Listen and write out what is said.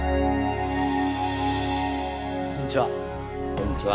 こんにちは。